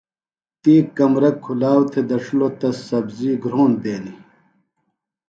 تی کمرہ کُھلاؤ تھےۡ دڇِھلوۡ تہ سبزی گھرونڈ دینیۡ۔